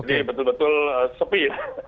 ini betul betul sepi